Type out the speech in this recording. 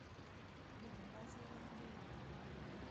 ټوله ورځ یې لانجې وي.